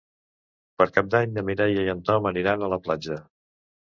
Per Cap d'Any na Mireia i en Tom aniran a la platja.